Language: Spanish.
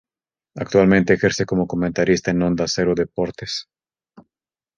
Actualmente ejerce como comentarista en Onda Cero Deportes.